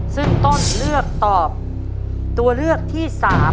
ซึ่งต้นเลือกตอบตัวเลือกที่๓